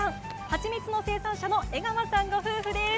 ハチミツの生産者の江川さんご夫婦です。